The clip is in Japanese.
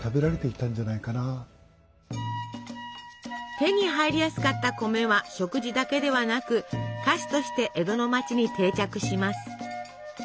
手に入りやすかった米は食事だけではなく菓子として江戸の町に定着します。